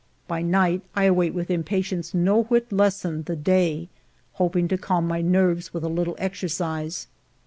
By night, I await with impatience no whit lessened the day, hoping to calm my nerves with a little exercise.